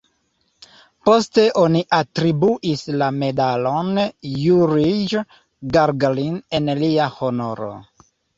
Poste oni atribuis la Medalon Jurij Gagarin en lia honoro.